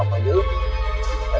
họ đánh rigboan ngân au